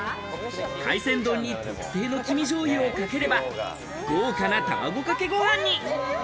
海鮮丼に特製の黄身じょうゆをかければ豪華な卵かけご飯に。